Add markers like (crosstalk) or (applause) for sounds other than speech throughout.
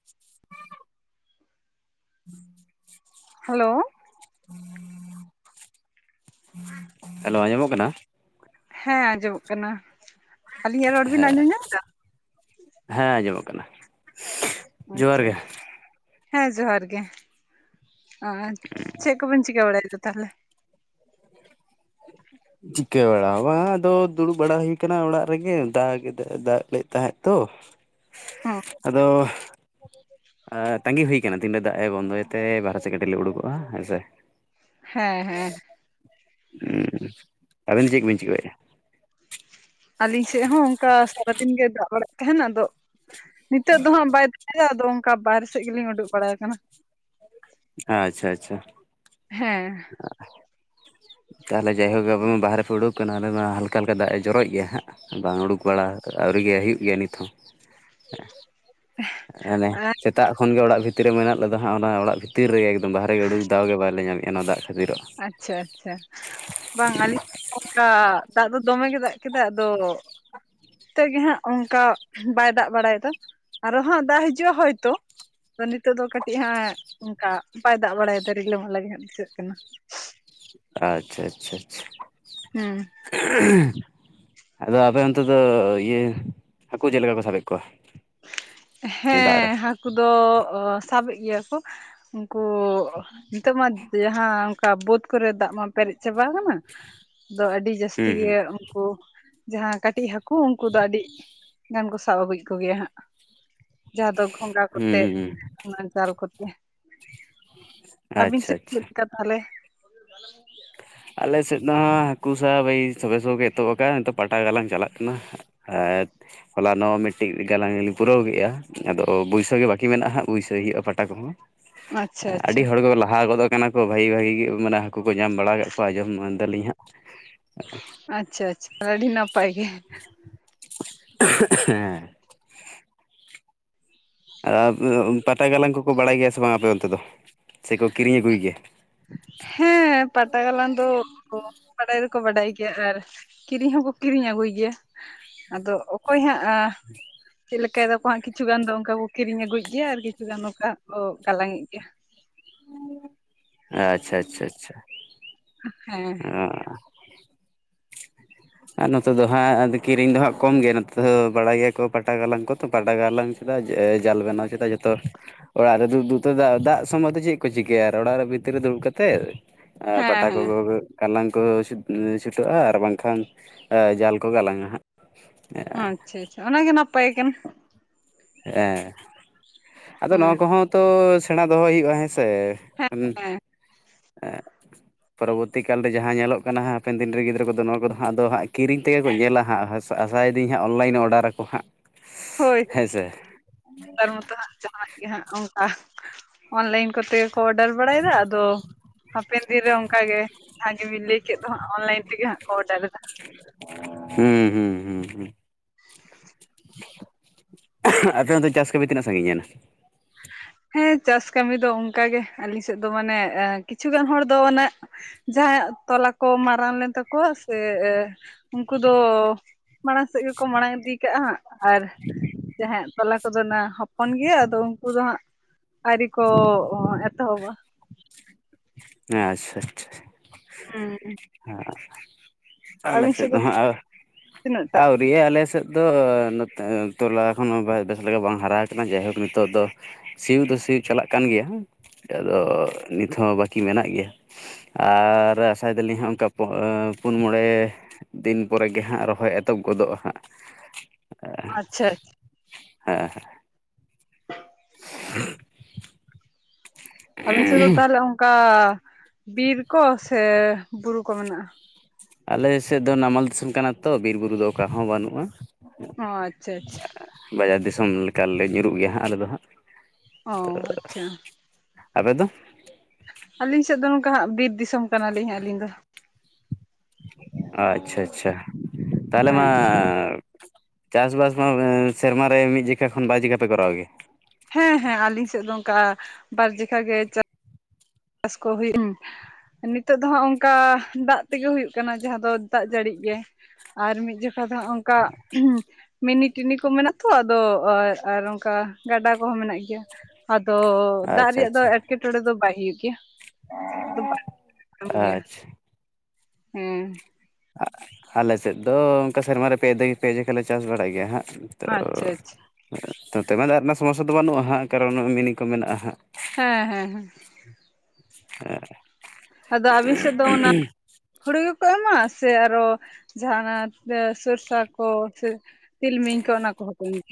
(inaudible) Hello. Hello ᱟᱸᱡᱚᱢᱚᱜ ᱠᱟᱱᱟ? ᱦᱮᱸ ᱟᱸᱡᱚᱢᱚᱜ ᱠᱟᱱᱟ᱾ ᱟᱹᱞᱤᱧᱟᱜ ᱨᱚᱲ ᱵᱤᱱ ᱟᱸᱡᱚᱢ ᱧᱟᱢ ᱫᱟ? ᱦᱮᱸ ᱟᱸᱡᱚᱢᱚᱜ ᱠᱟᱱᱟ᱾ ᱡᱚᱦᱟᱨ ᱜᱮ ᱟᱪᱪᱷᱟᱪ᱾ ᱦᱮᱸ ᱡᱚᱦᱟᱨ ᱜᱮ, ᱟ ᱪᱮᱫ ᱠᱚᱵᱮᱱ ᱪᱤᱠᱟᱹ ᱵᱟᱲᱟᱭᱫᱟ ᱛᱟᱦᱚᱞᱮ? ᱪᱤᱠᱟᱹ ᱵᱟᱲᱟ ᱦᱚᱸ ᱵᱟᱝ ᱟᱫᱚ ᱫᱩᱲᱩᱵ ᱵᱟᱲᱟ ᱦᱩᱭ ᱠᱟᱱᱟ ᱚᱲᱟᱜ ᱨᱮᱜᱮ ᱫᱟᱜ ᱜᱮ ᱫᱟᱜ ᱞᱮᱫ ᱛᱟᱦᱮᱸᱫ ᱛᱚ, ᱦᱚᱸ (inaudible) ᱟᱫᱚ ᱟᱸ ᱛᱟᱸᱜᱤ ᱦᱩᱭ ᱠᱟᱱᱟ ᱛᱤᱱ ᱫᱚ ᱫᱟᱜ ᱮ ᱵᱚᱱᱫᱚᱭᱛᱮ ᱵᱟᱨᱦᱮ ᱥᱮ ᱠᱟᱹᱴᱤᱡ ᱞᱮ ᱩᱰᱩᱠᱚᱜ-ᱟ ᱦᱮᱸ ᱥᱮ ᱾ ᱦᱮᱸ ᱦᱮᱸ ᱾ ᱦᱩᱸ ᱟᱹᱵᱤᱱ ᱪᱮᱜ ᱵᱤᱱ ᱪᱤᱠᱟᱹᱭᱮᱜᱼᱟ? ᱟᱞᱤᱧ ᱥᱮᱜ ᱦᱚᱸ ᱚᱱᱠᱟ ᱥᱟᱨᱟᱫᱤᱱ ᱜᱮ ᱫᱟᱜ ᱵᱟᱲᱟᱭᱮᱫ ᱛᱟᱦᱮᱱᱟ ᱟᱫᱚ ᱾ ᱱᱤᱛᱚᱜ ᱫᱚ ᱦᱟᱸᱜ ᱵᱟᱭ ᱫᱟᱜ ᱫᱟ ᱟᱫᱚ ᱚᱱᱠᱟ ᱵᱟᱦᱨᱮ ᱥᱮᱜ ᱜᱮᱞᱤᱧ ᱩᱰᱩᱜ ᱵᱟᱲᱟ ᱠᱟᱱᱟ᱾ ᱟᱪᱪᱷᱟ ᱟᱪᱪᱷᱟ ᱾ ᱦᱮᱸ ᱾ (inaudible) ᱛᱟᱞᱦᱮ ᱡᱟᱭᱦᱳᱠ ᱟᱵᱮᱱ ᱢᱟ ᱵᱟᱦᱨᱮ ᱯᱮ ᱳᱰᱳᱠ ᱠᱟᱱᱟ ᱟᱞᱮ ᱢᱟ ᱦᱟᱞᱠᱟ ᱦᱟᱞᱠᱟ ᱫᱟᱜ ᱮ ᱡᱚᱨᱚᱭ ᱜᱮᱭᱟ ᱦᱟᱸᱜ ᱾ ᱵᱟᱝ ᱩᱰᱩᱠ ᱵᱟᱲᱟ ᱟᱹᱣᱨᱤ ᱜᱮ ᱦᱩᱭᱩᱜ ᱜᱮᱭᱟ ᱱᱤᱛ ᱦᱚᱸ (inaudible) ᱦᱟᱱᱮ ᱥᱮᱛᱟᱜ ᱠᱷᱚᱱ ᱜᱮ ᱚᱲᱟᱜ ᱵᱷᱤᱛᱤᱨ ᱨᱮ ᱢᱮᱱᱟᱜ ᱞᱮᱫᱟ ᱦᱟᱸᱜ ᱚᱱᱟ ᱚᱲᱟᱜ ᱵᱷᱤᱛᱤᱨ ᱨᱮᱜᱮ ᱾ ᱵᱟᱦᱟᱨᱮ ᱜᱮ ᱩᱰᱩᱠ ᱫᱟᱣ ᱜᱮ ᱵᱟᱞᱮ ᱧᱟᱢᱮᱜᱼᱟ ᱱᱚᱣᱟ ᱫᱟᱜ ᱠᱷᱟᱛᱤᱨᱚᱜ ᱾ ᱟᱪᱪᱷᱟ ᱟᱪᱪᱷᱟ ᱾ ᱵᱟᱝ ᱟᱹᱞᱤᱧ ᱚᱝᱠᱟ ᱫᱟᱜ ᱫᱚ ᱫᱚᱢᱮ ᱜᱮ ᱫᱟᱜ ᱠᱮᱫᱟᱭ ᱟᱫᱚ ᱛᱚᱜ ᱜᱮ ᱦᱟᱸᱜ ᱚᱝᱠᱟ ᱵᱟᱭ ᱫᱟᱜ ᱵᱟᱲᱟᱭᱫᱟ ᱟᱨᱚ ᱦᱟᱸᱜ ᱫᱟᱜ ᱦᱟᱡᱩᱜᱼᱟ ᱦᱚᱭᱛᱚ ᱾ ᱟᱫᱚ ᱱᱤᱛᱚᱜ ᱫᱚ ᱠᱟᱴᱤᱡ ᱦᱟᱸᱜ ᱚᱱᱠᱟ ᱵᱟᱭ ᱫᱟᱜ ᱵᱟᱲᱟᱭ ᱫᱟ ᱨᱤᱞᱟᱢᱟᱞᱟ ᱜᱮ ᱦᱟᱸᱜ ᱵᱩᱡᱷᱟᱹᱜ ᱠᱟᱱᱟ ᱾ ᱟᱪᱪᱷᱟ ᱟᱪᱪᱷᱟ ᱟᱪᱪᱷᱟ ᱾ ᱦᱩᱸ (unintelligible) ᱟᱫᱚ ᱟᱯᱮ ᱚᱱᱛᱮ ᱫᱚ ᱤᱭᱟᱹ ᱦᱟᱠᱩ ᱪᱮᱜ ᱞᱮᱠᱟ ᱠᱚ ᱥᱟᱵᱮᱫ ᱠᱚᱣᱟ? ᱱᱤᱭᱟᱹ ᱫᱟᱜ ᱦᱮᱸ ᱨᱮ ᱦᱟᱠᱩ ᱫᱚ ᱥᱟᱵᱮᱜ ᱜᱮᱭᱟ ᱠᱚ ᱾ ᱠᱚ ᱱᱤᱛᱚᱜ ᱢᱟ ᱡᱟᱦᱟᱸ ᱠᱟ ᱵᱟᱹᱫᱽ ᱠᱚᱨᱮ ᱫᱟᱜ ᱢᱟ ᱯᱮᱨᱮᱡ ᱪᱟᱵᱟ ᱠᱟᱱᱟ ᱟᱫᱚ ᱟᱹᱰᱤ ᱡᱟᱥᱛᱤ ᱦᱩᱸ ᱜᱮ ᱦᱩᱸ ᱼᱼ ᱠᱩ ᱡᱟᱦᱟᱸᱭ ᱠᱟᱴᱤᱡ ᱦᱟᱹᱠᱩ ᱩᱱᱠᱩ ᱫᱚ ᱟᱹᱰᱤ ᱜᱟᱱ ᱠᱚ ᱥᱟᱵ ᱟᱜᱩᱭ ᱠᱚᱜᱮᱭᱟ ᱦᱟᱸᱜ ᱾ ᱡᱟᱦᱟᱸ ᱫᱚ ᱜᱷᱚᱸᱜᱟ ᱦᱩᱸ ᱠᱚᱛᱮ ᱦᱩᱸ ᱦᱩᱸ ᱚᱱᱟ ᱡᱟᱞ ᱠᱚᱛᱮ ᱾ ᱟᱵᱤᱱ ᱟᱪᱪᱷᱟ ᱪᱮᱫ ᱟᱪᱪᱷᱟ ᱞᱮᱫ ᱠᱟ ᱛᱟᱦᱞᱮ? ᱟᱞᱮ ᱥᱮᱫ ᱫᱚ ᱦᱟᱸᱜ ᱦᱟᱹᱠᱩ ᱥᱟᱵ ᱮᱭ ᱥᱚᱵᱮ ᱥᱚᱵᱮ ᱮᱛᱚ ᱟᱠᱟᱱ ᱱᱤᱛᱚᱜ ᱯᱟᱴᱟ ᱜᱟᱞᱟᱝ ᱪᱟᱞᱟᱜ ᱠᱟᱱᱟ ᱾ (inaudible) ᱦᱚᱞᱟ ᱱᱚᱜ ᱢᱤᱫᱴᱤᱡ ᱜᱟᱞᱟᱝ ᱞᱤᱧ ᱯᱩᱨᱟᱹᱣ ᱠᱮᱜᱼᱟ ᱟᱫᱚ ᱵᱩᱭᱥᱟᱹ ᱜᱮ ᱵᱟᱠᱤ ᱢᱮᱱᱟᱜᱼᱟ ᱦᱟᱸᱜ ᱵᱩᱭᱥᱟᱹ ᱦᱩᱭᱩᱜᱼᱟ ᱯᱟᱴᱟ ᱠᱚᱦᱚᱸ ᱟᱪᱪᱷᱟ ᱾ ᱟᱰᱤ ᱟᱪᱪᱷᱟ ᱦᱚᱲ ᱠᱚ ᱞᱟᱦᱟ ᱜᱚᱫ ᱠᱟᱱᱟ ᱠᱚ ᱵᱷᱟᱜᱤ ᱵᱷᱟᱜᱤ ᱜᱮ ᱢᱟᱱᱮ ᱦᱟᱠᱩ ᱠᱚ ᱧᱟᱢ ᱵᱟᱲᱟ ᱠᱟᱜ ᱠᱟᱣᱟ ᱡᱚᱢ ᱮᱢᱟᱱ ᱫᱟᱞᱤᱧ ᱦᱟᱸᱜ ᱾ ᱟᱪᱪᱷᱟ ᱟᱪᱪᱷᱟ ᱟᱹᱰᱤ ᱱᱟᱯᱟᱭ ᱜᱮ ᱾ (unintelligible) ᱦᱮᱸ (inaudible) ᱯᱟᱴᱟ ᱜᱟᱞᱟᱝ ᱠᱚᱠᱚ ᱵᱟᱲᱟᱭ ᱜᱮᱭᱟ ᱥᱮ ᱵᱟᱝ ᱟᱯᱮ ᱚᱱᱛᱮ ᱫᱚ ᱥᱮᱠᱚ ᱠᱤᱨᱤᱧ ᱟᱹᱜᱩᱭ ᱜᱮᱭᱟ? ᱦᱮᱸ ᱯᱟᱴᱟ ᱜᱟᱞᱟᱝ ᱫᱚ ᱵᱟᱰᱟᱭ ᱫᱚᱠᱚ ᱵᱟᱰᱟᱭ ᱜᱮᱭᱟ ᱾ᱟᱨ ᱠᱤᱨᱤᱧ ᱦᱚᱸᱠᱚ ᱠᱤᱨᱤᱧ ᱟᱹᱜᱩᱭ ᱜᱮᱭᱟ ᱟᱫᱚ ᱚᱠᱚᱭ ᱦᱟᱸᱜ (inaudible) ᱪᱮᱜ ᱞᱮᱠᱟᱭ ᱫᱟ ᱠᱚ ᱦᱟᱸᱜ ᱠᱤᱪᱷᱩ ᱜᱟᱱ ᱫᱚ ᱚᱱᱠᱟ ᱠᱚ ᱠᱤᱨᱤᱧ ᱟᱹᱜᱩᱭᱮᱜ ᱜᱮᱭᱟ ᱟᱨ ᱠᱤᱪᱷᱩ ᱜᱟᱱ ᱚᱱᱠᱟ ᱠᱚ ᱜᱟᱞᱟᱝᱮᱜ ᱜᱮᱭᱟ ᱾ ᱟᱪᱪᱷᱟ ᱟᱪᱪᱷᱟ ᱟᱪᱪᱷᱟ ᱾ ᱦᱮᱸ ᱟᱨ ᱱᱚᱛᱮ ᱫᱚ ᱦᱟᱸᱜ ᱠᱤᱨᱤᱧ ᱫᱚ ᱦᱟᱸᱜ ᱠᱚᱢ ᱜᱮ ᱱᱚᱛᱮ ᱫᱚ ᱵᱟᱲᱟᱭ ᱜᱮᱭᱟ ᱠᱚ ᱯᱟᱴᱟ ᱜᱟᱞᱟᱝ ᱠᱚ ᱾ ᱯᱟᱴᱟ ᱜᱟᱞᱟᱝ ᱜᱮᱫᱟ ᱡᱟᱞ ᱵᱮᱱᱟᱣ ᱠᱮᱫᱟ ᱡᱷᱚᱛᱚ ᱚᱲᱟᱜ ᱨᱮ ᱫᱩᱜ ᱫᱩᱜ ᱛᱮ ᱫᱟᱜ ᱫᱟᱜ ᱥᱚᱢᱚᱭ ᱫᱚ ᱪᱮᱜ ᱠᱚ ᱪᱤᱠᱟᱹᱭᱟ ᱟᱨ ᱚᱲᱟᱜ ᱨᱮ ᱵᱷᱤᱛᱤᱨ ᱨᱮ ᱫᱩᱲᱩᱜ ᱠᱟᱛᱮᱜ ᱟ ᱦᱮᱸ ᱯᱟᱴᱟ ᱠᱚ ᱦᱮᱸ ᱠᱚ ᱜᱟᱞᱟᱝ ᱠᱚ ᱥᱤᱴᱟᱹᱜᱼᱟ ᱟᱨ ᱵᱟᱝᱠᱷᱟᱱ (inaudible) ᱡᱟᱞ ᱠᱚ ᱜᱟᱞᱟᱝᱼᱟ ᱦᱟᱸᱜ ᱾ ᱟᱪᱪᱷᱟ ᱟᱪᱪᱷᱟ ᱚᱱᱟ ᱜᱮ ᱱᱟᱯᱟᱭ ᱠᱟᱱᱟ ᱾ ᱦᱮᱸ, ᱟᱫᱚ ᱦᱳᱭ ᱱᱚᱣᱟ ᱠᱚᱦᱚᱸ ᱛᱚ ᱥᱮᱬᱟ ᱫᱚᱦᱚ ᱦᱩᱭᱩᱜᱼᱟ ᱦᱮᱸ ᱥᱮ᱾ ᱦᱮᱸ (unintelligible) ᱦᱮᱸ ᱦᱮᱸ ᱯᱚᱨᱚᱵᱚᱨᱛᱤ ᱠᱟᱞᱨᱮ ᱡᱟᱦᱟᱸ ᱧᱮᱞᱚᱜ ᱠᱟᱱᱟ ᱾ ᱦᱟᱸᱜ ᱦᱟᱯᱮᱱ ᱫᱤᱱ ᱨᱮ ᱜᱤᱫᱽᱨᱟᱹ ᱠᱚᱫᱚ ᱱᱚᱣᱟ ᱠᱚᱫᱚ ᱦᱟᱸᱜ ᱟᱫᱚ ᱦᱟᱸᱜ ᱠᱤᱨᱤᱧ ᱛᱮᱜᱮ ᱠᱚ ᱧᱮᱞᱟ ᱦᱟᱸᱜ᱾ ᱦᱟᱸᱥᱼᱼ ᱟᱥᱟᱭ ᱫᱤᱧ ᱦᱟᱸᱜ ᱚᱱᱞᱟᱭᱤᱱ ᱚᱰᱟᱨ ᱟᱠᱚ ᱦᱟᱸᱜ᱾ ᱦᱳᱭ ᱦᱮᱸ ᱥᱮ ᱱᱮᱛᱟᱨ ᱢᱟᱛᱚ ᱦᱟᱸᱜ ᱡᱟᱦᱟᱱᱟᱜ ᱜᱮ ᱦᱟᱸᱜ ᱚᱱᱠᱟ᱾ ᱚᱱᱞᱟᱭᱤᱱ ᱠᱚᱛᱮ ᱜᱮ ᱠᱚ ᱚᱰᱟᱨ ᱵᱟᱲᱟᱭ ᱮᱫᱟ ᱟᱫᱚᱼᱼ ᱦᱟᱯᱮᱱ ᱫᱤᱱ ᱨᱮ ᱚᱱᱠᱟ ᱜᱮ, ᱡᱟᱦᱟᱸ ᱜᱮᱵᱤᱱ ᱞᱟᱹᱭ ᱠᱮᱫ ᱫᱚ ᱦᱟᱸᱜ, ᱚᱱᱞᱟᱭᱤᱱ ᱛᱮᱜᱮ ᱦᱟᱸᱜ ᱠᱚ ᱚᱰᱟᱨ ᱮᱫᱟ᱾ ᱦᱩᱸ, ᱦᱩᱸ, ᱦᱩᱸ, ᱦᱩᱸ᱾ (inaudible) ᱟᱯᱮ ᱚᱱᱛᱮ ᱪᱟᱥ ᱠᱟᱢᱤ ᱛᱤᱱᱟᱹᱜ ᱥᱟᱺᱜᱤᱧ ᱮᱱᱟ? ᱦᱮᱸ ᱪᱟᱥ ᱠᱟᱹᱢᱤ ᱫᱚ ᱚᱱᱠᱟ ᱜᱮ ᱾ ᱟᱹᱞᱤᱧ ᱥᱮᱫ ᱫᱚ ᱢᱟᱱᱮ ᱠᱤᱪᱷᱩᱜᱟᱱ ᱦᱚᱲ ᱫᱚ ᱢᱟᱱᱮᱼᱼ ᱡᱟᱦᱟᱸᱭᱟᱜ ᱛᱚᱞᱟ ᱠᱚ ᱢᱟᱨᱟᱝ ᱞᱮᱱ ᱛᱟᱠᱚᱣᱟ ᱥᱮ ᱩᱱᱠᱩ ᱫᱚᱼᱼ ᱢᱟᱬᱟᱝ ᱥᱮᱫ ᱜᱮᱠᱚ ᱢᱟᱬᱟᱝ ᱤᱫᱤ ᱠᱟᱜᱼᱟ ᱦᱟᱸᱜ ᱟᱨᱼᱼ ᱡᱟᱦᱟᱸᱭᱟᱜ ᱛᱚᱞᱟ ᱠᱚᱫᱚ ᱚᱱᱟ ᱦᱚᱯᱚᱱ ᱜᱮᱭᱟ ᱾ ᱟᱫᱚ ᱩᱱᱠᱩ ᱫᱚ ᱦᱟᱸᱜᱼᱼ ᱟᱹᱣᱨᱤ ᱠᱚ ᱮᱛᱚᱦᱚᱵᱚᱜᱼᱟ ᱾ ᱦᱮᱸ ᱟᱪᱪᱷᱟ, ᱟᱪᱪᱷᱟ᱾ ᱦᱩᱸ ᱦᱮᱸ, ᱟᱞᱮ ᱥᱮᱫ ᱫᱚ ᱦᱟᱸᱜ, ᱛᱤᱱᱟᱹᱜ ᱴᱟᱜ (unintelligible) ᱫᱤᱭᱮ ᱟᱞᱮᱥᱮᱫ ᱫᱚ ᱱᱚᱛᱮ, ᱛᱚᱞᱟ (unintelligible) ᱵᱟᱭ ᱫᱟᱜ ᱞᱮᱠᱟ ᱵᱟᱝ ᱦᱟᱨᱟ ᱟᱠᱟᱱᱟ ᱾ ᱡᱟᱭᱦᱳᱠ ᱱᱤᱛᱚᱜ ᱫᱚᱼᱼ ᱥᱤᱭᱩᱜ ᱫᱚ ᱥᱤᱭᱩᱜ ᱪᱟᱞᱟᱜ ᱠᱟᱱ ᱜᱮᱭᱟ ᱾ ᱟᱫᱚ ᱱᱤᱛ ᱦᱚᱸ ᱵᱟᱹᱠᱤ ᱢᱮᱱᱟᱜ ᱜᱮᱭᱟ ᱾ ᱟᱨ ᱟᱥᱟᱭ ᱫᱟᱞᱤᱧ ᱦᱟᱸᱜ ᱚᱱᱠᱟ, ᱯᱩᱱ ᱢᱚᱬᱮᱼᱼ ᱫᱤᱱ ᱯᱚᱨᱮ ᱜᱮ ᱦᱟᱸᱜ ᱨᱚᱦᱚᱭ ᱮᱛᱚᱵ ᱜᱚᱫᱚᱜᱼᱟ ᱦᱟᱸᱜ ᱾ ᱦᱮᱸ, ᱟᱪᱪᱷᱟ ᱟᱪᱪᱷᱟ, ᱦᱮᱸ, ᱦᱮᱸ᱾ (inaudible) (inaudible) ᱟᱹᱵᱤᱱ ᱥᱮᱫ ᱫᱚ ᱛᱟᱦᱚᱞᱮ ᱚᱱᱠᱟ ᱵᱤᱨ ᱠᱚ ᱥᱮ ᱵᱩᱨᱩ ᱠᱚ ᱢᱮᱱᱟᱜᱼᱟ? ᱟᱞᱮ ᱥᱮᱫ ᱫᱚ ᱱᱟᱢᱟᱞ ᱫᱤᱥᱚᱢ ᱠᱟᱱᱟ ᱛᱚ, ᱵᱤᱨ ᱵᱩᱨᱩ ᱫᱚ ᱚᱠᱟ ᱦᱚᱸ ᱵᱟᱹᱱᱩᱜᱼᱟ ᱾ ᱚ ᱟᱪᱪᱷᱟ, ᱟᱪᱪᱷᱟ᱾ ᱵᱟᱡᱟᱨ ᱫᱤᱥᱚᱢ ᱞᱮᱠᱟᱞᱮ ᱧᱩᱨᱩᱜ ᱜᱮᱭᱟ ᱦᱟᱸᱜ, ᱟᱞᱮ ᱫᱚ ᱦᱟᱸᱜ ᱾ ᱚ ᱟᱪᱪᱷᱟ᱾ ᱟᱯᱮ ᱫᱚ? ᱟᱹᱞᱤᱧ ᱥᱮᱫ ᱫᱚ ᱱᱚᱝᱠᱟ ᱦᱟᱸᱜ ᱵᱤᱨ ᱫᱤᱥᱚᱢ ᱠᱟᱱᱟ ᱞᱤᱧ ᱦᱟᱸᱜ ᱟᱹᱞᱤᱧ ᱫᱚ ᱾ ᱟᱪᱪᱷᱟ, ᱟᱪᱪᱷᱟ, ᱟᱪᱪᱷᱟ ᱾ ᱛᱟᱦᱞᱮ ᱢᱟᱼᱼ ᱦᱮᱸ ᱪᱟᱥᱼᱵᱟᱥ ᱢᱟ ᱥᱮᱨᱢᱟᱨᱮ ᱢᱤᱫ ᱡᱷᱤᱠᱟ ᱠᱷᱚᱱ ᱵᱟᱨ ᱡᱟᱠᱟ (unintelligible) ᱯᱮ ᱠᱚᱨᱟᱣ ᱜᱮᱭᱟ? ᱦᱮᱸ, ᱦᱮᱸ ᱟᱹᱞᱤᱧ ᱥᱮᱫ ᱫᱚ ᱚᱱᱠᱟ ᱵᱟᱨ ᱡᱮᱠᱷᱟ ᱜᱮᱼᱼ ᱪᱟᱥ ᱠᱚ ᱦᱩᱭᱮᱱ ᱾ ᱱᱤᱛᱚᱜ ᱫᱚ ᱦᱟᱸᱜ ᱚᱱᱠᱟ ᱫᱟᱜ ᱛᱮᱜᱮ ᱦᱩᱭᱩᱜ ᱠᱟᱱᱟ᱾ ᱡᱟᱦᱟᱸ ᱫᱚ ᱫᱟᱜ ᱡᱟᱹᱲᱤ ᱜᱮ ᱾ ᱟᱨ ᱢᱤᱫ ᱡᱚᱠᱷᱟ ᱫᱚ ᱚᱱᱠᱟᱼᱼ ᱢᱤᱱᱤᱴᱤᱱᱤ ᱠᱚ ᱢᱮᱱᱟᱜ ᱛᱚ ᱟᱫᱚ ᱟᱨ ᱚᱱᱠᱟ ᱜᱟᱰᱟ ᱠᱚᱦᱚᱸ ᱢᱮᱱᱟᱜ ᱜᱮᱭᱟ ᱾ ᱟᱫᱚᱼᱼ ᱫᱟᱜ ᱟᱪᱪᱷᱟ ᱨᱮᱭᱟᱜ ᱫᱚ ᱟᱪᱪᱷᱟ ᱮᱸᱴᱠᱮᱴᱚᱬᱮ ᱫᱚ ᱵᱟᱭ ᱦᱩᱭᱩᱜ ᱜᱮᱭᱟ ᱾ (unintelligible) ᱟᱪᱪᱷᱟ ᱦᱮᱸ ᱟᱞᱮ ᱥᱮᱫ ᱫᱚ ᱚᱱᱠᱟ ᱥᱮᱨᱢᱟ ᱨᱮ ᱯᱮ ᱫᱷᱟᱣ (unintelligible) ᱯᱮ ᱡᱚᱠᱷᱮᱡ ᱞᱮ ᱪᱟᱥ ᱵᱟᱲᱟᱭ ᱜᱮᱭᱟ ᱦᱟᱸᱜ ᱾ ᱟᱪᱪᱷᱟ, ᱟᱪᱪᱷᱟ᱾ ᱱᱚᱛᱮ ᱫᱚ ᱫᱟᱜ ᱨᱮᱱᱟᱜ ᱥᱚᱢᱚᱥᱥᱟ ᱫᱚ ᱵᱟᱹᱱᱩᱜᱼᱟ ᱦᱟᱸᱜ, ᱠᱟᱨᱚᱱ ᱢᱤᱱᱤ ᱠᱚ ᱢᱮᱱᱟᱜᱼᱟ ᱦᱟᱸᱜ ᱾ ᱦᱮᱸ, ᱦᱮᱸ, ᱦᱮᱸ ᱾ ᱦᱮᱸ᱾ ᱟᱫᱚ ᱟᱹᱵᱤᱱ ᱥᱮᱫ ᱫᱚ ᱚᱱᱟ ᱦᱩᱲᱩ ᱜᱮᱠᱚ ᱮᱢᱟ ᱥᱮ ᱟᱨᱚ ᱡᱟᱦᱟᱸᱱᱟᱜ ᱥᱚᱨᱥᱟ ᱠᱚ ᱥᱮ ᱛᱤᱞᱢᱤᱧ ᱠᱚ ᱚᱱᱟ ᱠᱚ ᱦᱚᱸ ᱠᱚ ᱤᱭᱟᱹᱭ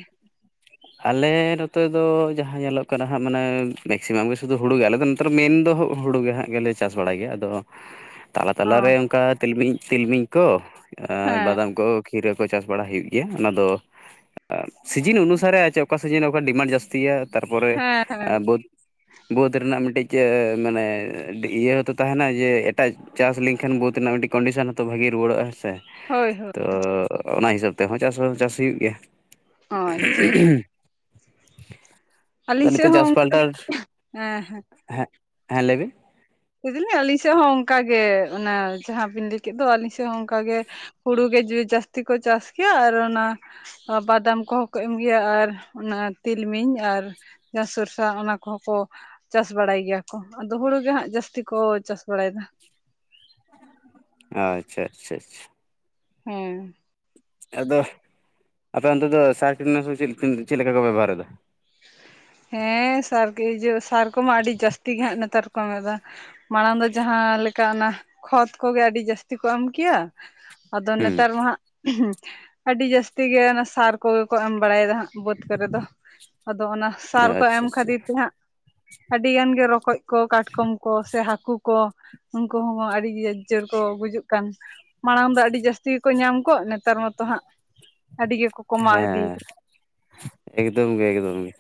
ᱟᱞᱮ ᱱᱚᱛᱮ ᱫᱚ ᱡᱟᱦᱟᱸ ᱧᱮᱞᱚᱜ ᱠᱟᱱᱟ ᱦᱟᱸᱜ ᱢᱟᱱᱮ ᱢᱮᱠᱥᱤᱢᱟᱢ ᱜᱮ ᱥᱩᱫᱷᱩ ᱦᱩᱲᱩ ᱜᱮ ᱟᱞᱮ ᱫᱚ ᱾ ᱛᱚ ᱢᱮᱱᱫᱚ ᱦᱩᱲᱩ ᱜᱮ ᱦᱟᱸᱜ ᱜᱮ ᱞᱮ ᱪᱟᱥ ᱵᱟᱲᱟᱭ ᱜᱮᱭᱟ ᱾ ᱟᱫᱚ ᱛᱟᱞᱟ ᱚ ᱛᱟᱞᱟ ᱨᱮ ᱚᱱᱠᱟ ᱛᱤᱞᱢᱤᱧ ᱥᱤᱞᱢᱤᱧ ᱠᱚ ᱟ ᱦᱮᱸ ᱵᱟᱫᱟᱢ ᱠᱚ᱾ ᱠᱷᱤᱨᱟᱹ ᱠᱚ ᱪᱟᱥ ᱵᱟᱲᱟ ᱦᱩᱭᱩᱜ ᱜᱮᱭᱟ ᱾ ᱚᱱᱟ ᱫᱚ ᱥᱤᱡᱤᱱ ᱚᱱᱩᱥᱟᱨᱮ᱾ ᱚᱠᱟ ᱥᱤᱡᱤᱱ ᱚᱠᱟ ᱰᱤᱢᱟᱱᱰ ᱡᱟᱹᱥᱛᱤᱭᱟ᱾ ᱛᱟᱨᱯᱚᱨᱮ ᱦᱮᱸ ᱦᱮᱸ ᱵᱟᱹᱛ ᱵᱟᱹᱫᱽ ᱨᱮᱱᱟᱜ ᱢᱤᱫᱴᱤᱡ ᱢᱟᱱᱮ ᱤᱭᱟᱹᱛᱚ ᱛᱟᱦᱮᱱᱟ ᱡᱮ ᱮᱴᱟᱜ ᱪᱟᱥ ᱞᱮᱧᱠᱷᱟᱱ ᱵᱟᱹᱫᱽ ᱨᱮᱱᱟᱜ ᱢᱤᱫᱴᱤᱡ ᱠᱚᱱᱰᱤᱥᱚᱱ ᱦᱚᱸ ᱛᱚ ᱵᱷᱟᱹᱜᱤ ᱨᱩᱣᱟᱹᱲᱚᱜ ᱦᱮᱸ ᱥᱮ ᱦᱳᱭ ᱾ ᱦᱳᱭ ᱛᱚ ᱚᱱᱟ ᱦᱤᱥᱟᱹᱵᱽ ᱛᱮᱦᱚᱸ ᱪᱟᱥ ᱦᱚᱸ ᱪᱟᱥ ᱦᱩᱭᱩᱜ ᱜᱮᱭᱟ ᱾ ᱚ ᱟᱪᱪᱷᱟ ᱟᱪ ᱟᱫᱚ ᱟᱹᱞᱤᱧ ᱥᱮᱫ ᱱᱤᱛᱚᱜ ᱦᱚᱸ ᱡᱟᱥ ᱚᱱᱠᱟ ᱯᱟᱞᱴᱟᱞᱴ ᱦᱮᱸ ᱦᱮᱸ ᱞᱮ ᱵᱤᱱ? ᱞᱟᱹᱭ ᱫᱟᱹᱞᱤᱧ ᱟᱹᱞᱤᱧ ᱥᱮᱫ ᱦᱚᱸ ᱚᱝᱠᱟᱜᱮ ᱚᱝᱟ ᱡᱟᱦᱟᱸ ᱵᱤᱱ ᱞᱟᱹᱭ ᱠᱮᱫ ᱫᱚ ᱟᱹᱞᱤᱧ ᱥᱮᱫ ᱦᱚᱸ ᱚᱝᱠᱟᱜᱮ᱾ ᱦᱩᱲᱩ ᱜᱮ (unintelligible) ᱡᱟᱹᱥᱛᱤ ᱠᱚ ᱪᱟᱥ ᱜᱮᱭᱟ ᱟᱨ ᱚᱱᱟ (unintelligible) ᱵᱟᱫᱟᱢ ᱠᱚᱦᱚᱸ ᱠᱚ ᱮᱢᱜᱮᱭᱟ ᱟᱨ ᱚᱱᱟ ᱛᱤᱞᱢᱤᱧ ᱟᱨ ᱡᱟ ᱥᱚᱨᱥᱟ ᱚᱱᱟ ᱠᱚᱦᱚᱸ ᱠᱚ ᱪᱟᱥ ᱵᱟᱲᱟᱭ ᱜᱮᱭᱟ ᱠᱚ ᱟᱫᱚ ᱦᱩᱲᱩ ᱜᱮ ᱦᱟᱸᱜ ᱡᱟᱹᱥ ᱛᱤ ᱠᱚ ᱪᱟᱥ ᱵᱟᱲᱟᱭ ᱫᱟ᱾ ᱟᱪᱪᱷᱟ ᱟᱪᱪᱷᱟ ᱟᱪᱪᱷᱟ᱾ ᱦᱩᱸ᱾ ᱟᱫᱚ, ᱟᱫᱚ ᱚᱱᱛᱮ ᱫᱚ ᱥᱟᱨ ᱪᱩᱱᱱᱟᱹ (unintelligible) ᱪᱮᱫ ᱪᱮᱫ ᱞᱮᱠᱟ ᱠᱚ ᱵᱮᱵᱚᱦᱟᱨ ᱫᱟ᱾ ᱦᱮᱸ ᱥᱟᱨ ᱜᱮ ᱡᱳ ᱥᱟᱨ ᱠᱚᱢᱟ ᱟᱹᱰᱤ ᱡᱟᱹᱥᱛᱤ ᱜᱮ ᱦᱟᱸᱜ ᱱᱮᱛᱟᱨ ᱠᱚ ᱮᱢᱚᱜ ᱫᱟ᱾ ᱢᱟᱲᱟᱝ ᱫᱚ ᱡᱟᱦᱟᱸ ᱞᱮᱠᱟ ᱚᱱᱟ ᱠᱷᱚᱛ ᱠᱚᱜᱮ ᱟᱹᱰᱤ ᱡᱟᱹᱥᱛᱤ ᱠᱚ ᱮᱢ ᱠᱮᱭᱟ ᱟᱫᱚ ᱦᱩᱸ ᱱᱮᱛᱟᱨ ᱢᱟ ᱦᱟᱸᱜ ᱟᱹᱰᱤ ᱡᱟᱹᱥᱛᱤ ᱜᱮ ᱚᱱᱟ ᱥᱟᱨ ᱠᱚᱜᱮ ᱠᱚ ᱮᱢ ᱵᱟᱲᱟᱭᱫᱟ ᱦᱟᱸᱜ ᱵᱟᱹᱫᱽ ᱠᱚᱨᱮ ᱫᱚ᱾ ᱟᱫᱚ ᱚᱱᱟ ᱥᱟᱨ ᱠᱚ ᱮᱢ ᱟᱪᱪᱷᱟ ᱟᱪᱪᱷᱟ ᱠᱷᱟᱹᱛᱤᱨ ᱛᱮ ᱦᱟᱸᱜ ᱟᱹᱰᱤ ᱜᱟᱱ ᱜᱮ ᱨᱚᱠᱚᱡ ᱠᱚ, ᱠᱟᱴᱠᱚᱢ ᱠᱚ ᱥᱮ ᱦᱟᱹᱠᱩ ᱠᱚ ᱩᱱᱠᱩ ᱦᱚᱸ ᱟᱹᱰᱤ ᱡᱳᱨ ᱠᱚ ᱜᱩᱡᱩᱜ ᱠᱟᱱ᱾ ᱢᱟᱲᱟᱝ ᱫᱚ ᱟᱹᱰᱤ ᱡᱟᱹᱥᱛᱤ ᱜᱮᱠᱚ ᱧᱟᱢ ᱠᱚᱜ ᱱᱮᱛᱟᱨ ᱢᱟᱛᱚ ᱦᱟᱸᱜ ᱟᱹᱰᱤ ᱜᱮᱠᱚ ᱠᱚᱢᱟᱣ ᱦᱮᱸ ᱤᱫᱤᱭᱮᱫᱟ ᱮᱠᱫᱚᱢ ᱜᱮ ᱮᱠᱫᱚᱢ ᱜᱮ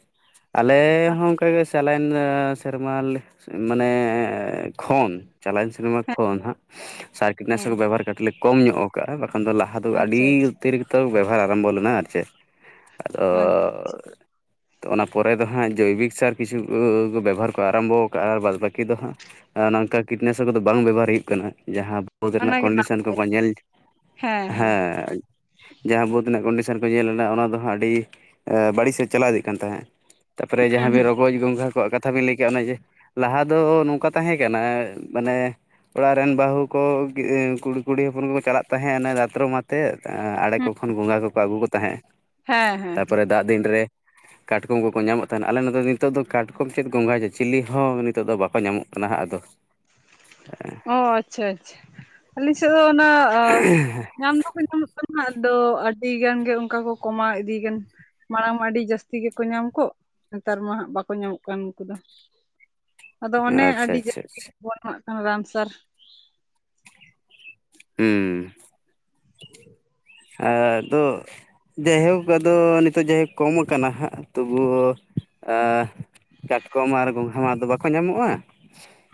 ᱟᱞᱮ ᱦᱚᱸ ᱚᱝᱠᱟᱜᱮ ᱪᱟᱞᱟᱭᱮᱱ ᱥᱮᱨᱢᱟ ᱞᱮ ᱢᱟᱱᱮ ᱠᱷᱚᱱ᱾ ᱪᱟᱞᱟᱣᱮᱱ ᱥᱮᱨᱢᱟ ᱠᱷᱳᱱ ᱦᱟᱸᱜ ᱦᱮᱸ ᱥᱟᱨᱠᱤᱴᱱᱟᱥᱚᱠ ᱵᱮᱵᱚᱦᱟᱨ ᱠᱟᱹᱴᱤᱡ ᱞᱮ ᱠᱚᱢ ᱧᱚᱜ ᱠᱟᱜᱼᱟ᱾ ᱵᱟᱠᱷᱟᱱ ᱫᱚ ᱞᱟ ᱟᱫᱚ ᱟᱪᱪᱷᱟ ᱟᱹᱰᱤ ᱟᱪᱪᱷᱟ ᱩᱛᱮᱨ ᱜᱮᱛᱚ ᱵᱮᱵᱚᱦᱟᱨ ᱟᱨᱟᱢᱵᱷᱚ ᱞᱮᱱᱟ ᱟᱨ ᱪᱮᱫ? ᱟᱪᱪᱷᱟ ᱟᱫᱚ ᱟᱪᱪᱷᱟ ᱚᱱᱟ ᱯᱚᱨᱮ ᱫᱚ ᱦᱟᱸᱜ ᱡᱳᱭᱵᱤᱠ ᱥᱟᱨ ᱠᱤᱪᱷᱩ ᱵᱮᱵᱚᱦᱟᱨ ᱠᱚ ᱟᱨᱟᱢᱵᱚ ᱠᱟᱜᱼᱟ᱾ᱟᱨ ᱵᱟᱫᱽ ᱵᱟᱹᱠᱤ ᱫᱚ ᱦᱟᱸᱜ (unintelligible) ᱱᱚᱝᱠᱟ ᱠᱤᱴᱱᱟᱥᱚᱠ ᱵᱮᱵᱚᱦᱟᱨ ᱦᱩᱭᱩᱜ ᱠᱟᱱᱟ ᱡᱟᱦᱟᱸ ᱵᱳᱫᱽ ᱨᱮᱱᱟᱜ ᱚᱱᱟᱜᱮ ᱠᱚᱱᱰᱤᱥᱚᱱ ᱱᱟᱯᱟᱭ ᱠᱚᱠᱚ ᱧᱮᱞ ᱦᱮᱸ ᱡᱟᱦᱟᱸ ᱵᱳᱫᱽ ᱤᱱᱟᱹᱜ ᱠᱚᱱᱰᱤᱥᱮᱱ ᱠᱚ ᱧᱮᱞᱱᱟ ᱚᱱᱟ ᱫᱚ ᱦᱟᱸᱜ ᱟᱹᱰᱤ ᱵᱟᱹᱲᱤᱡ ᱥᱮᱫ ᱪᱟᱞᱟᱣ ᱤᱫᱤᱜ ᱠᱟᱱ ᱛᱟᱦᱮᱸᱜ᱾ ᱛᱟᱨᱯᱚᱨᱮ ᱡᱟᱦᱟᱸ ᱦᱮᱸ ᱵᱮ ᱨᱚᱜᱚᱡᱽ ᱜᱚᱝᱜᱷᱟ ᱠᱚ ᱠᱟᱛ ᱠᱟᱛᱷᱟ ᱵᱤᱱ ᱞᱟᱹᱭ ᱠᱮᱭᱟ ᱚᱱᱟ ᱡᱮ, ᱞᱟᱦᱟ ᱫᱚ ᱱᱚᱝᱠᱟ ᱛᱟᱦᱮᱸ ᱠᱟᱱᱟ ᱢᱟᱱᱮ ᱚᱲᱟᱜ ᱨᱮᱱ ᱵᱟᱹᱦᱩ ᱠᱚ ᱠᱚᱲᱤ ᱠᱩᱲᱤ ᱦᱚᱯᱚᱱ ᱠᱚᱠᱚ ᱪᱟᱞᱟᱜ ᱛᱟᱦᱮᱸᱫ ᱫᱛᱟᱛᱨᱚᱢ ᱟᱛ ᱛᱮᱫ ᱟᱲᱮ ᱠᱚ ᱛᱚᱠᱷᱚᱱ ᱜᱚᱝᱜᱷᱟ ᱠᱚᱠᱚ ᱟᱹᱜᱩ ᱠᱚ ᱛᱟᱦᱮᱸᱜᱼᱟ᱾ ᱦᱮᱸ ᱦᱮᱸ᱾ ᱫᱟᱜ ᱫᱤᱱ ᱨᱮ ᱠᱟᱴᱠᱚᱢ ᱠᱚᱠᱚ ᱧᱟᱢᱚᱜ ᱛᱟᱦᱮᱱᱟ ᱟᱞᱮ ᱱᱚᱛᱮ ᱫᱚ ᱱᱤᱛᱚᱜ ᱫᱚ ᱠᱟᱴᱠᱚᱢ ᱪᱮᱫ ᱜᱚᱝᱜᱷᱟ ᱪᱤᱞᱤ ᱦᱚᱸ ᱱᱤᱛᱚᱜ ᱫᱚ ᱵᱟᱠᱚ ᱧᱟᱢᱚᱜ ᱠᱟᱱᱟ ᱦᱟᱸᱜ ᱟᱫᱚ (unintelligible) ᱚ ᱟᱪᱪᱷᱟ ᱟᱪᱪᱷᱟ ᱟᱹᱞᱤ ᱥᱮᱫ ᱫᱚ ᱚᱱᱟ ᱧᱟᱢ ᱫᱚᱠᱚ ᱧᱟᱢᱚᱜ ᱠᱟᱱᱟ ᱟᱫᱚ ᱟᱹᱰᱤ ᱜᱟᱱ ᱜᱮ ᱚᱱᱠᱟ ᱠᱚ ᱠᱚᱢᱟᱣ ᱤᱫᱤᱭ ᱠᱟᱱᱟ᱾ ᱢᱟᱲᱟᱝ ᱢᱟ ᱟᱹᱰᱤ ᱡᱟᱹᱥᱛᱤ ᱜᱮᱠᱚ ᱧᱟᱢ ᱠᱚᱜ ᱱᱮᱛᱟᱨ ᱢᱟ ᱦᱟᱸᱜ ᱵᱟᱠᱚ ᱧᱟᱢᱚᱜ ᱠᱟᱱ ᱩᱱᱠᱩ ᱫᱚ᱾ ᱟᱫᱚ ᱚᱱᱮ ᱟᱪᱪᱷᱟ ᱟᱹᱰᱤ ᱟᱪᱪᱷᱟ ᱡᱟᱹᱥᱛᱤ ᱟᱪᱪᱷᱟ ᱜᱮ ᱵᱚᱱ ᱮᱢᱟᱜ ᱠᱟᱱᱟ ᱨᱟᱱ ᱥᱟᱨ᱾ ᱦᱩᱸ ᱟᱫᱚ ᱡᱟᱭᱦᱳᱠ ᱟᱫᱚ ᱱᱤᱛᱚᱜ ᱡᱟᱭᱦᱳᱠ ᱠᱚᱢ ᱠᱟᱱᱟ ᱦᱟᱜ ᱛᱩᱵᱩ ᱳ ᱠᱟᱴᱠᱚᱢ ᱟᱨ ᱜᱚᱝᱜᱷᱟ ᱢᱟ ᱟᱫᱚ ᱵᱟᱠᱚ ᱧᱟᱢᱚᱜᱼᱟ᱾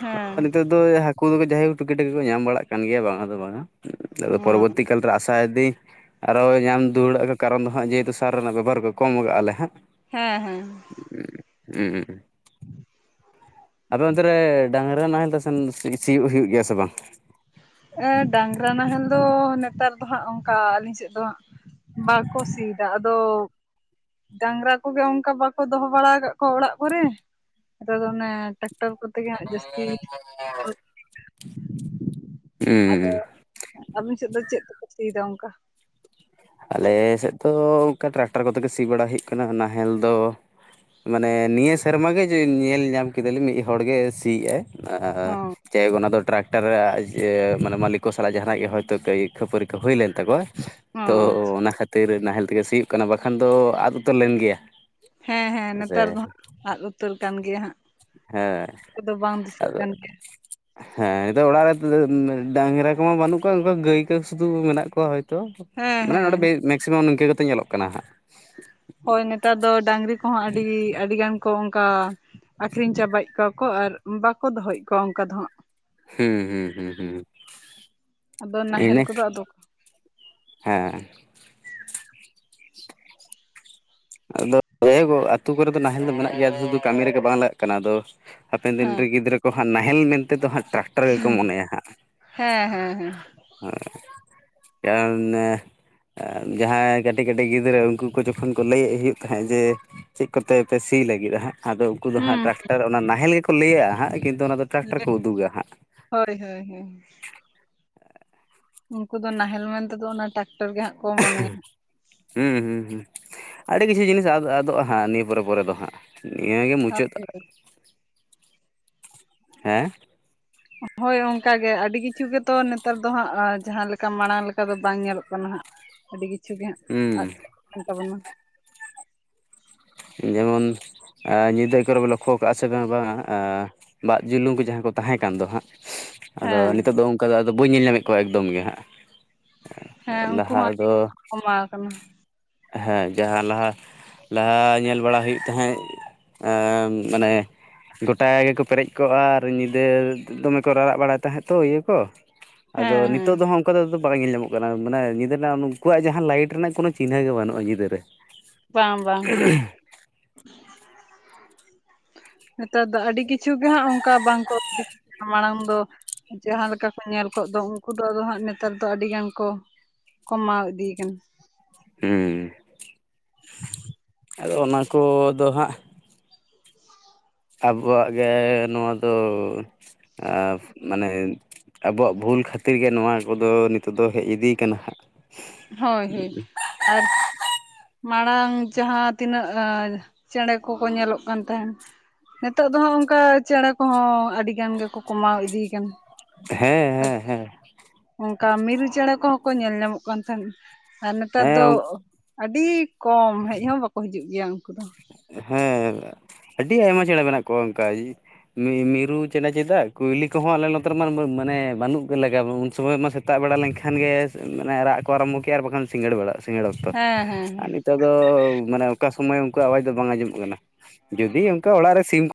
ᱦᱮᱸ ᱱᱤᱛᱚᱜ ᱫᱚ ᱦᱟᱹᱠᱩ ᱡᱟᱭᱦᱳᱠ ᱴᱩᱠᱤ ᱴᱟᱠᱤ ᱠᱚ ᱧᱟᱢ ᱵᱟᱲᱟᱜ ᱠᱟᱱ ᱜᱮᱭᱟ ᱵᱟᱝᱟ ᱫᱚ ᱵᱟᱝᱟ᱾ ᱦᱮᱸ ᱯᱚᱨᱵᱚᱛᱤ ᱠᱟᱞ ᱨᱮ ᱟᱥᱟᱭ ᱫᱤ ᱟᱨᱚ ᱧᱟᱢ ᱫᱩᱣᱟᱹᱲᱚᱜ ᱠᱟᱨᱚᱱ ᱫᱚ ᱦᱟᱸᱜ ᱡᱮᱦᱮᱛᱩ ᱥᱟᱨ ᱨᱮᱱᱟᱜ ᱵᱮᱵᱚᱦᱟᱨ ᱠᱚ ᱠᱚᱢ ᱠᱟᱜᱼᱟ ᱞᱮ ᱦᱟᱸᱜ᱾ ᱦᱮᱸ ᱦᱮᱸ ᱦᱮᱸ (inaudible) ᱟᱯᱮ ᱚᱱᱛᱮᱨᱮ ᱰᱟᱝᱨᱟ ᱱᱟᱦᱮᱞᱛᱮ ᱥᱮᱱ ᱦᱤᱭᱳᱜ ᱦᱩᱭᱩᱜ ᱜᱮᱭᱟ ᱥᱮ ᱵᱟᱝ? ᱰᱟᱝᱨᱟ ᱱᱟᱦᱮᱞ ᱫᱚ ᱱᱮᱛᱟᱨ ᱫᱚ ᱦᱟᱸᱜ ᱚᱱᱠᱟ ᱟᱹᱞᱤᱧ ᱥᱮᱫ ᱫᱚ ᱦᱟᱸᱜ ᱵᱟᱠᱚ ᱥᱤᱭᱮᱫᱟ ᱟᱫᱚ ᱰᱟᱝᱨᱟ ᱠᱚᱜᱮ ᱚᱱᱠᱟ ᱵᱟᱠᱚ ᱫᱚᱦᱚ ᱵᱟᱲᱟ ᱟᱠᱟᱫ ᱠᱚᱣᱟ ᱚᱲᱟᱜ ᱠᱚᱨᱮ ᱱᱮᱛᱟᱨ ᱫᱚ ᱚᱱᱮ ᱴᱟᱠᱴᱟᱨ ᱛᱮ ᱜᱮ ᱦᱟᱸᱜ ᱡᱟᱹᱥᱛᱤ (unintelligible) ᱟᱫᱚ ᱦᱩᱸ ᱟᱵᱤᱱ ᱥᱮᱫ ᱫᱚ ᱪᱮᱫ ᱛᱮᱯᱮ ᱥᱤᱭᱮᱫᱟ ᱚᱱᱠᱟ ᱟᱞᱮ ᱥᱮᱫ ᱫᱚ ᱚᱱᱠᱟ ᱴᱨᱟᱠᱴᱟᱨ ᱠᱚᱛᱮ ᱜᱮ ᱥᱤ ᱵᱟᱲᱟ ᱦᱩᱭᱩᱜ ᱠᱟᱱᱟ ᱱᱟᱦᱮᱞ ᱫᱚ ᱢᱟᱱᱮ ᱱᱤᱭᱟᱹ ᱥᱮᱨᱢᱟ ᱜᱮ ᱡᱮ ᱧᱮᱞ ᱧᱟᱢ ᱠᱮᱫᱟᱞᱤᱧ ᱢᱤᱫ ᱦᱚᱲ ᱜᱮ ᱥᱤᱭᱮᱫ ᱟᱭ ᱟᱨ ᱚ ᱡᱟᱭᱦᱳᱠ ᱚᱱᱟ ᱫᱚ ᱴᱨᱟᱠᱴᱟᱨ ᱢᱮ ᱢᱟᱹᱞᱤᱠ ᱠᱚ ᱥᱟᱞᱟᱜ ᱡᱟᱦᱟᱱᱟᱜ ᱜᱮ ᱦᱚᱭᱛᱳ ᱠᱷᱟᱹᱯᱟᱨᱤᱟᱹ ᱠᱚ ᱦᱩᱭ ᱞᱮᱱ ᱛᱟᱠᱚᱣᱟ ᱚ ᱛᱚ ᱟᱪᱪᱷᱟ ᱚᱱᱟ ᱠᱷᱟᱹᱛᱤᱨ ᱱᱟᱦᱮᱞ ᱛᱮᱜᱮ ᱥᱤᱭᱳᱜ ᱠᱟᱱᱟ ᱵᱟᱠᱷᱟᱱ ᱫᱚ ᱟᱫ ᱩᱛᱟᱹᱨ ᱞᱮᱱ ᱜᱮᱭᱟ᱾ ᱦᱮᱸ ᱦᱮᱸ ᱦᱮᱸᱥᱮ ᱱᱮᱛᱟᱨ ᱫᱚ ᱦᱟᱸᱜ ᱟᱫ ᱩᱛᱟᱹᱨ ᱠᱟᱱ ᱜᱮᱭᱟ ᱦᱟᱸᱜ ᱦᱮᱸ ᱟᱫᱚ ᱵᱟᱝ ᱫᱤᱥᱟᱹᱜ ᱟᱫᱚ ᱠᱟᱱ ᱜᱮᱭᱟ ᱦᱮᱸ ᱱᱤᱛᱚᱜ ᱚᱲᱟᱜ ᱨᱮ ᱰᱟᱝᱨᱟ ᱠᱚᱢᱟ ᱵᱟᱹᱱᱩᱜ ᱠᱚᱣᱟ ᱚᱱᱠᱟ ᱜᱟᱹᱭ ᱠᱚ ᱥᱩᱫᱩ ᱢᱮᱱᱟᱜ ᱠᱚᱣᱟ ᱦᱳᱭᱛᱳ᱾ ᱦᱮᱸ ᱢᱟᱱᱮ ᱦᱮᱸ ᱱᱚᱸᱰᱮ ᱦᱮᱸ ᱢᱮᱠᱥᱤᱢᱟᱢ ᱱᱤᱝᱠᱟᱹ ᱜᱮᱛᱚ ᱧᱮᱞᱚᱜ ᱠᱟᱱᱟ᱾ ᱦᱳᱭ ᱱᱮᱛᱟᱨ ᱫᱚ ᱰᱟᱹᱝᱨᱤ ᱠᱚᱦᱚᱸ ᱟᱹᱰᱤ ᱟᱹᱰᱤ ᱜᱟᱱ ᱠᱚ ᱚᱱᱠᱟ ᱟᱠᱷᱨᱤᱧ ᱪᱟᱵᱟᱭ ᱠᱚᱣᱟ ᱠᱚ ᱟᱨ ᱵᱟᱠᱚ ᱫᱚᱦᱚᱭᱮᱫ ᱠᱚᱣᱟ ᱚᱱᱠᱟ ᱫᱚ ᱦᱟᱸᱜ ᱦᱩᱸ ᱦᱩᱸ ᱦᱩᱸ ᱟᱫᱚ ᱱᱟᱦᱮᱞ ᱤᱱᱟ ᱠᱚᱫᱚ ᱟᱫᱚ ᱦᱮᱸ ᱟᱫᱚ (unintelligible) ᱟᱛᱳ ᱠᱚᱨᱮ ᱫᱚ ᱱᱟᱦᱮᱞ ᱫᱚ ᱢᱮᱱᱟᱜ ᱜᱮᱭᱟ ᱥᱩᱫᱩ ᱠᱟᱹᱢᱤ ᱨᱮᱜᱮ ᱵᱟᱝ ᱞᱟᱜᱟᱜ ᱠᱟᱱᱟ ᱟᱫᱚ ᱦᱟᱯᱮᱱ ᱫᱤᱱ ᱦᱮᱸ ᱨᱮ ᱜᱤᱫᱽᱨᱟᱹ ᱠᱚ ᱦᱟᱸᱜ ᱱᱟᱦᱮᱞ ᱢᱮᱱᱛᱮᱫᱚ ᱦᱟᱸᱜ ᱚᱠᱟ ᱜᱮᱠᱚ ᱢᱚᱱᱮᱭᱟ ᱦᱟᱸᱜ ᱦᱮᱸ ᱦᱮᱸ ᱦᱮᱸ ᱦᱚᱸ (unintelligible) ᱡᱟᱦᱟᱸᱭ ᱠᱟᱹᱴᱤᱡ ᱠᱟᱹᱴᱤᱡ ᱜᱤᱫᱽᱨᱟᱹ ᱩᱱᱠᱩ ᱠᱚ ᱡᱚᱠᱷᱚᱱ ᱠᱚ ᱞᱟᱹᱭᱮᱫ ᱦᱩᱭᱩᱜ ᱛᱟᱦᱮᱸᱫ ᱡᱮ ᱪᱮᱫ ᱠᱚᱛᱮ ᱯᱮ ᱥᱤ ᱞᱟᱹᱜᱤᱫᱼᱟ ᱦᱟᱸᱜ ᱟᱫᱚ ᱩᱱᱠᱩ ᱫᱚ ᱦᱟᱸᱜ ᱦᱩᱸ ᱴᱨᱟᱠᱴᱟᱨ ᱚᱱᱟ ᱱᱟᱦᱮᱞ ᱜᱮᱠᱚ ᱞᱟᱹᱭᱟᱼᱟ ᱦᱟᱸᱜ ᱠᱤᱱᱛᱩ ᱴᱨᱟᱠᱴᱟᱨ ᱠᱚ ᱩᱫᱩᱜᱟ ᱦᱟᱸᱜ ᱦᱳᱭ ᱦᱳᱭ ᱦᱳᱭ ᱩᱱᱠᱩ ᱫᱚ ᱱᱟᱦᱮᱞ ᱢᱮᱱᱛᱮᱫᱚ ᱚᱱᱟ ᱴᱨᱟᱠᱴᱚᱨ ᱜᱮ ᱦᱟᱸᱜ ᱠᱚ ᱢᱚᱱᱮᱭᱟ᱾ ᱦᱩᱸ ᱦᱩᱸ ᱦᱩᱸ ᱟᱹᱰᱤ ᱠᱤᱪᱷᱩ ᱡᱤᱱᱤᱥ ᱟ ᱟᱫᱚᱜᱼᱟ ᱦᱟᱸᱜ ᱱᱤᱭᱟᱹ ᱯᱚᱨᱮ ᱯᱚᱨᱮ ᱫᱚ ᱦᱟᱸᱜ ᱱᱤᱭᱟᱹ ᱜᱮ ᱢᱩᱪᱟᱹᱫ ᱦᱳᱭ ᱦᱮᱸ ᱦᱳᱭ ᱚᱝᱠᱟ ᱜᱮ ᱟᱹᱰᱤ ᱠᱤᱪᱷᱩ ᱜᱮᱛᱚ ᱱᱮᱛᱟᱨ ᱫᱚ ᱦᱟᱸᱜ ᱡᱟᱦᱟᱸ ᱞᱮᱠᱟ ᱢᱟᱲᱟᱝ ᱞᱮᱠᱟ ᱫᱚ ᱵᱟᱝ ᱧᱮᱞᱚᱜ ᱠᱟᱱᱟ ᱦᱟᱸᱜ᱾ ᱟᱹᱰᱤ ᱠᱤᱪᱷᱩ ᱜᱮ ᱦᱟᱸᱜ ᱦᱩᱸ ᱟᱫ ᱟᱠᱟᱱ ᱛᱟᱵᱚᱱᱟ᱾ ᱡᱮᱢᱚᱱ ᱟᱸ ᱧᱤᱫᱟᱹ ᱠᱚᱨᱮ ᱵᱤᱱ ᱞᱚᱠᱠᱷᱚ ᱠᱟᱜᱼᱟ ᱥᱮ ᱵᱟᱝ ᱵᱟᱝ-ᱟ, ᱟᱸ ᱵᱟᱜ ᱡᱩᱞᱩᱝ ᱠᱚ ᱡᱟᱦᱟᱸ ᱠᱚ ᱛᱟᱦᱮᱸ ᱠᱟᱱ ᱫᱚ ᱦᱟᱸᱜ ᱟᱫᱚ ᱦᱮᱸ ᱱᱤᱛᱳᱜ ᱫᱚ ᱚᱝᱠᱟ ᱫᱚ ᱟᱫᱚ ᱵᱟᱹᱧ ᱧᱮᱞ ᱧᱟᱢᱮᱫ ᱠᱚᱣᱟ ᱮᱠᱫᱚᱢ ᱜᱮ ᱦᱟᱸᱜ᱾ ᱮᱸ ᱦᱮᱸ ᱩᱱᱠᱩ ᱞᱟᱦᱟ ᱦᱚᱸ ᱟᱹᱰᱤ ᱫᱚ, ᱠᱚᱢᱟᱣ ᱟᱠᱟᱱᱟ ᱦᱮᱸ ᱡᱟᱦᱟᱸ ᱞᱟᱦᱟ ᱞᱟᱦᱟ ᱧᱮᱞ ᱵᱟᱲᱟᱭ ᱦᱩᱭᱩᱜ ᱛᱟᱦᱮᱸᱫ ᱮᱸ ᱢᱟᱱᱮ ᱜᱚᱴᱟ ᱜᱮᱠᱚ ᱯᱮᱨᱮᱡ ᱠᱚᱜᱼᱟ ᱟᱨ ᱧᱤᱫᱟᱹ ᱫᱚᱢᱮ ᱠᱚ ᱨᱟᱨᱟᱜ ᱵᱟᱲᱟᱭ ᱛᱟᱦᱮᱸᱫ ᱛᱚ ᱤᱭᱩ ᱠᱚ᱾ ᱟᱫᱚ ᱦᱮᱸ ᱦᱮᱸ ᱱᱤᱛᱚᱜ ᱫᱚ ᱦᱟᱸᱜ ᱚᱸᱠᱟ ᱫᱚ ᱟᱫᱚ ᱵᱟᱝ ᱧᱮᱞ ᱧᱟᱢᱚᱜ ᱠᱟᱱᱟ, ᱢᱟᱱᱮ ᱧᱤᱫᱟᱹ ᱨᱮᱱᱟᱜ ᱱᱩᱱᱠᱩᱣᱟᱜ ᱡᱟᱦᱟᱸ ᱞᱟᱹᱭᱤᱴ ᱨᱮᱱᱟᱜ ᱠᱳᱱᱳ ᱪᱤᱱᱦᱟᱹ ᱜᱮ ᱵᱟᱹᱱᱩᱜᱼᱟ ᱧᱤᱫᱟᱹᱨᱮ᱾ ᱵᱟᱝ ᱵᱟᱝ᱾ (inaudible) ᱱᱮᱛᱟᱨ ᱫᱚ ᱟᱹᱰᱤ ᱠᱤᱪᱷᱩ ᱜᱮ ᱦᱟᱸᱜ ᱚᱝᱠᱟ ᱵᱟᱝᱠᱚ (unintelligible) ᱢᱟᱲᱟᱝ ᱫᱚ ᱡᱟᱦᱟᱸ ᱞᱮᱠᱟ ᱠᱚ ᱧᱮᱞ ᱠᱚᱜ ᱫᱚ ᱩᱝᱠᱩ ᱫᱚ ᱟᱫᱚ ᱦᱟᱸᱜ ᱱᱮᱛᱟᱨ ᱫᱚ ᱟᱹᱰᱤ ᱜᱟᱱ ᱠᱚ ᱠᱚᱢᱟᱣ ᱤᱫᱤᱭᱟᱠᱟᱱᱟ᱾ ᱦᱩᱸ, ᱟᱫᱚ ᱚᱱᱟ ᱠᱚ ᱫᱚ ᱦᱟᱸᱜ ᱟᱵᱚᱣᱟᱜ ᱜᱮ ᱱᱚᱣᱟ ᱫᱚ ᱟᱸ ᱢᱟᱱᱮ ᱟᱵᱚᱣᱟᱜ ᱵᱷᱩᱞ ᱠᱷᱟᱹᱛᱤᱨ ᱜᱮ ᱱᱚᱣᱟ ᱠᱚᱫᱚ ᱱᱤᱛᱩᱜ ᱫᱚ ᱦᱮᱡ ᱤᱫᱤ ᱭᱟᱠᱟᱱᱟ ᱦᱟᱸᱜ, ᱦᱳᱭ ᱦᱳᱭ ᱟᱨ ᱢᱟᱲᱟᱝ ᱡᱟᱦᱟᱸ ᱛᱤᱱᱟᱹᱜ ᱟᱸ ᱪᱮᱬᱮ ᱠᱚᱠᱚ ᱧᱮᱞᱚᱜ ᱠᱟᱱ ᱛᱟᱦᱮᱱ ᱱᱤᱛᱚᱜ ᱫᱚ ᱦᱟᱸᱜ ᱚᱝᱠᱟ ᱪᱮᱬᱮ ᱠᱚᱦᱚᱸ ᱟᱹᱰᱤ ᱜᱟᱱ ᱜᱮᱠᱚ ᱠᱚᱢᱟᱣ ᱤᱫᱤ ᱭᱟᱠᱟᱱᱟ᱾ ᱦᱮᱸ ᱦᱮᱸ ᱦᱮᱸ᱾ ᱚᱝᱠᱟ ᱢᱤᱨᱩ ᱪᱮᱬᱮ ᱠᱚᱦᱚᱸ ᱠᱚ ᱧᱮᱞ ᱧᱟᱢᱚᱜ ᱠᱟᱱ ᱛᱟᱦᱮᱸᱱ ᱟᱨ ᱦᱮᱸ ᱱᱮᱛᱟᱨ ᱦᱮᱸ ᱫᱚᱻᱜ ᱚ ᱟᱹᱰᱤ ᱠᱚᱢ ᱦᱮᱡ ᱦᱚᱸ ᱵᱟᱠᱚ ᱦᱤᱡᱩᱜ ᱜᱮᱭᱟ ᱩᱝᱠᱩ ᱫᱚ᱾ ᱦᱮᱸ ᱟᱹᱰᱤ ᱟᱭᱢᱟ ᱪᱮᱬᱮ ᱢᱮᱱᱟᱜ ᱠᱚᱣᱟ ᱚᱝᱠᱟᱭ ᱤ- ᱢᱤ ᱢᱤᱨᱩ ᱪᱮᱬᱮ ᱪᱮᱫᱟᱜ ᱠᱩᱭᱞᱤ ᱠᱚᱦᱚᱸ ᱟᱞᱮ ᱱᱚᱛᱮ ᱨᱮᱢᱟ ᱢᱟᱹ ᱢᱟᱱᱮ ᱵᱟᱹᱱᱩᱜ ᱠᱚ ᱞᱮᱜᱟ ᱩᱱ ᱥᱚᱢᱚᱭ ᱢᱟ ᱥᱮ- ᱛᱟᱜ ᱵᱮᱲᱟ ᱞᱮᱝᱠᱷᱟᱱ ᱜᱮᱻᱥ ᱮ ᱢᱟᱱᱮ ᱨᱟᱜ ᱠᱚ ᱟᱨᱳᱢᱵᱷᱚ ᱠᱮᱜᱼᱟ ᱟᱨ ᱵᱟᱠᱷᱟᱱ ᱥᱤᱸᱜᱟᱹᱲ ᱵᱮᱲᱟᱜ᱾ ᱥᱤᱸᱜᱟᱹᱲ ᱚᱠᱛᱚ ᱦᱮᱸ ᱦᱮᱸ ᱟᱨ ᱦᱮᱸ ᱱᱤᱛᱚᱜ ᱫᱚ ᱢᱟᱱᱮ ᱚᱠᱟ ᱥᱚᱢᱚᱭ ᱩᱝᱠᱩᱣᱟᱜ ᱟᱣᱟᱡᱽ ᱫᱚ ᱵᱟᱝ ᱟᱸᱡᱚᱢᱚᱜ ᱠᱟᱱᱟ᱾ ᱡᱩᱫᱤ ᱚᱱᱠᱟ ᱚᱲᱟᱜ ᱨᱮ ᱥᱤᱢ ᱠᱚ